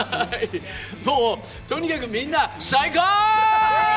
もう、とにかくみんな最高！